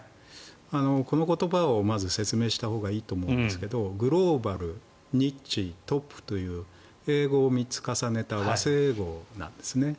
この言葉をまず説明したほうがいいと思うんですがグローバル、ニッチトップという英語を３つ重ねた和製英語なんですね。